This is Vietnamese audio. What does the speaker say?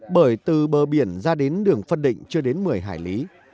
bởi từ bờ biển ra đến đường phân định chưa đến một mươi hải lý